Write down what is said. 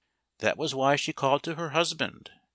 That was why she called to her husband.